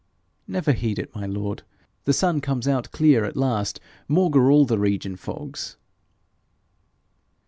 'Never heed it, my lord. The sun comes out clear at last maugre all the region fogs.'